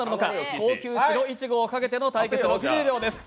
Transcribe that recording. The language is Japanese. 高級白いちごをかけての対決、６０秒です。